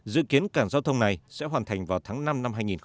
dự kiến cảng giao thông này sẽ hoàn thành vào tháng năm năm hai nghìn một mươi tám